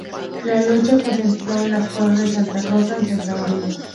La lucha se concentró en las torres "Santa Rosa" y "Santa María".